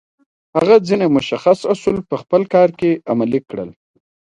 هغه ځينې مشخص اصول په خپل کار کې عملي کړل.